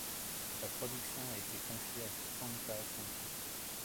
Sa production a été confiée à Quanta computer.